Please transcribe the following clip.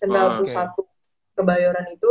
smp al pusat kebayoran itu